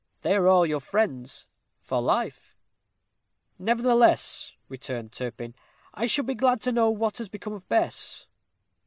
They are all your friends for life." "Nevertheless," returned Turpin, "I should be glad to know what has become of Bess."